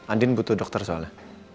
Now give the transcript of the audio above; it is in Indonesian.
andin butuh dokter soalnya